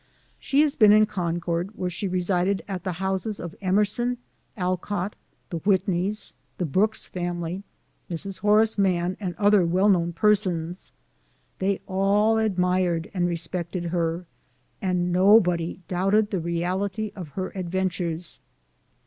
She has often been in Concord, where she resided at the houses of Emerson, Alcott, the Whitneys, LIFE OF HARRIET TUBMAN. 55 the Brooks family, Mrs. Horace Mann, and other well known persons. They all admired and re spected her, and nobody doubted the reality of her adventures.